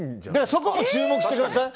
そこも注目してください。